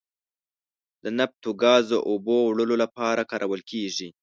د نفتو، ګازو او اوبو وړلو لپاره کارول کیږي.